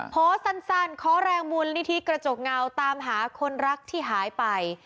โพสต์สั้นขอแรงมูลนิธิกระจกเงาตามหาคนรักที่หายไป